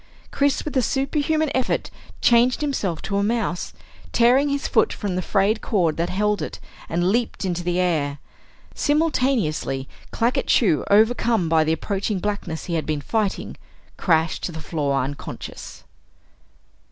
Chris, with a superhuman effort, changed himself to a mouse, tearing his foot from the frayed cord that held it, and leaped into the air. Simultaneously, Claggett Chew, overcome by the approaching blackness he had been fighting, crashed to the floor unconscious.